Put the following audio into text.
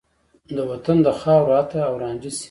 د وطن د خاورو عطر او رانجه شي